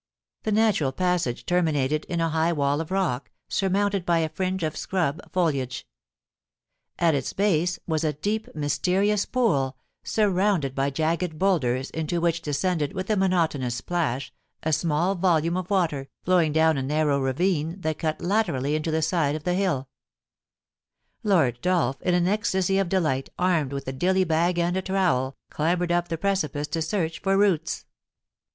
The natural passage terminated in a high wall of rock, surmounted by a fringe of, scrub foliage. At its base was a deep, mysterious pool, surrounded by jagged boulders, into which descended with a monotonous plash a small volume of water, flowing down a narrow ravine that cut laterally into the side of the hilL Lord Dolph, in an ecstasy of delight, armed with a dilly bag and a trowel, clambered up the precipice to search for roots.